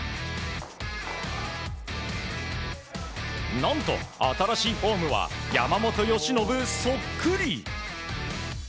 何と、新しいフォームは山本由伸そっくり。